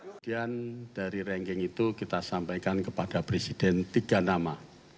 kemudian dari ranking itu kita sampaikan kepada presiden tiga nama